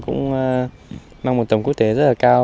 cũng mang một tầm quốc tế rất là cao